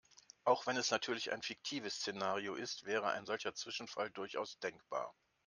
Auch wenn es natürlich ein fiktives Szenario ist, wäre ein solcher Zwischenfall durchaus denkbar.